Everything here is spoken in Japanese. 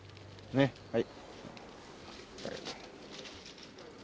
ねっはい。